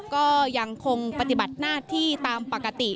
ก็ยังคงปฏิบัติหน้าที่ตามปกติ